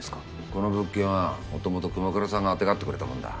この物件はもともと熊倉さんがあてがってくれたもんだ。